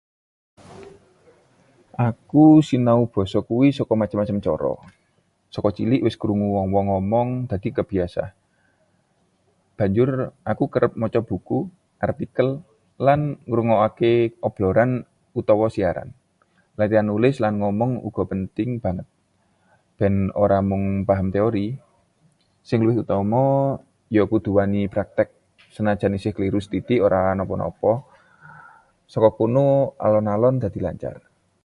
Aku sinau basa kuwi saka macem-macem cara. Saka cilik wis krungu wong-wong ngomong, dadi kebiasa. Banjur aku kerep maca buku, artikel, lan ngrungokke obrolan utawa siaran. Latihan nulis lan ngomong uga penting banget, ben ora mung paham teori. Sing luwih utama, ya kudu wani praktek, senajan isih kleru sethithik ora napa-napa. Saka kono alon-alon dadi lancar.